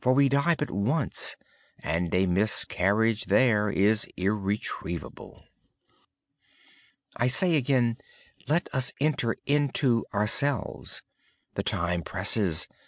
We die but once and a mistake there is irretrievable. I say again, let us enter into ourselves. The time presses.